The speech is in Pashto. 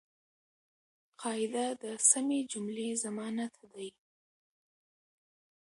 قاعده د سمي جملې ضمانت دئ.